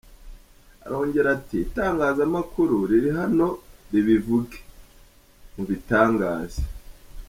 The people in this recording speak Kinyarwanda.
Arongera ati “Itangazamakuru riri hano ribivuge, mubitangaze.